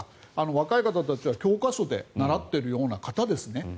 若い人たちは教科書で習っているような人ですね。